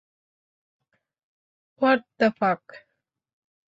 What the ফাক?